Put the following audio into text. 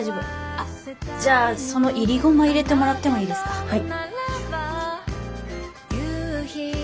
あじゃあそのいりごま入れてもらってもいいですか？はい。